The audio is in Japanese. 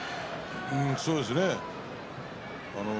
そうですね。